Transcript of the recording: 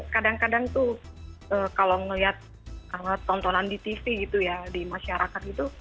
kadang kadang tuh kalau ngeliat tontonan di tv gitu ya di masyarakat itu